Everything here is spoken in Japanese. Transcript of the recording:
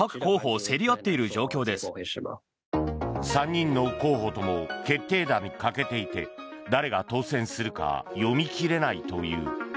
３人の候補とも決定打に欠けていて誰が当選するか読み切れないという。